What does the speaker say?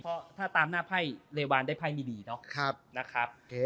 เพราะถ้าตามหน้าไพ่เลวานได้ไพ่มิดีเนอะครับนะครับโอเค